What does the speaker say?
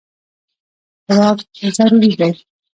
خوراک ضروري دی.